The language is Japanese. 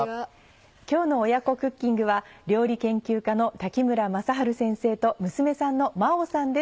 今日の親子クッキングは料理研究家の滝村雅晴先生と娘さんの真央さんです。